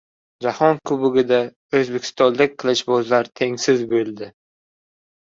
Jahon kubogida o‘zbekistonlik qilichbozlar tengsiz bo‘ldi